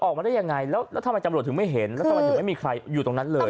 ออกมาได้ยังไงแล้วทำไมตำรวจถึงไม่เห็นแล้วทำไมถึงไม่มีใครอยู่ตรงนั้นเลย